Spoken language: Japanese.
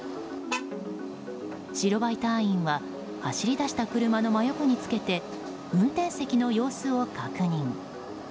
白バイ隊員は走り出した車の真横につけて運転席の様子を確認。